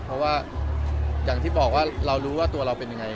เพราะว่าเรารู้ว่าตัวเราเป็นอย่างไรก็พอ